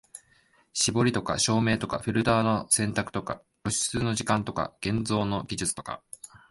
絞りとか照明とかフィルターの選択とか露出の時間とか現像の技術とか、